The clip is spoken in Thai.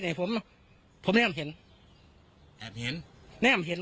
เพื่อนพี่ปื่นเห็นผมเนื้อผมเห็น